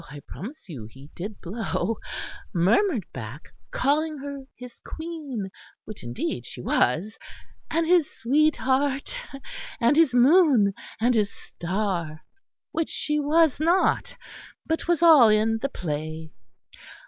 I promise you he did blow murmured back, calling her his queen, which indeed she was, and his sweetheart and his moon and his star which she was not: but 'twas all in the play.